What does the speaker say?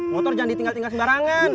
motor jangan ditinggal tinggal sembarangan